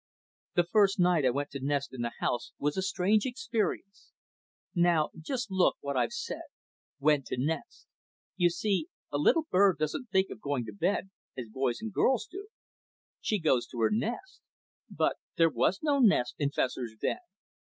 The first night I went to nest in the house was a strange experience. Now just look what I've said: "Went to nest." You see a little bird doesn't think of going to bed, as boys and girls do. She goes to her nest. But there was no nest in Fessor's den.